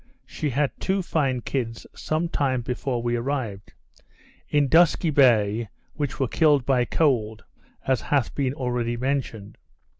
She had two fine kids, some time before we arrived in Dusky Bay, which were killed by cold, as hath been already mentioned.